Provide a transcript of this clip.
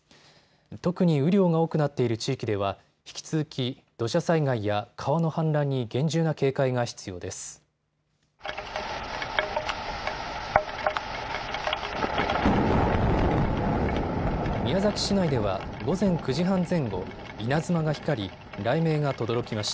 特に雨量が多くなっている地域では引き続き土砂災害や川の氾濫に厳重な警戒が必要です。